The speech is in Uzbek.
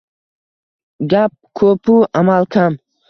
Gap ko‘p-u, amal kam.